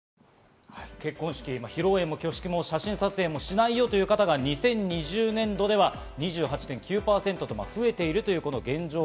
結婚式、披露宴も挙式も写真撮影もしないよという方が２０２０年度では、２８．９％と増えています。